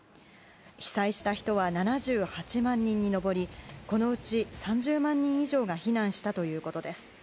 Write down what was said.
被災した人は７８万人に上りこのうち３０万人以上が避難したということです。